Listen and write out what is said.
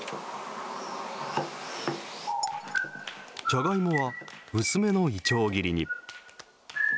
じゃがいもは薄めのいちょう切りに。